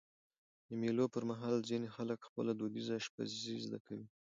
د مېلو پر مهال ځيني خلک خپله دودیزه اشپزي زده کوي.